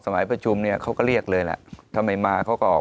สมัยประชุมเนี่ยเขาก็เรียกเลยล่ะถ้าไม่มาเขาก็ออก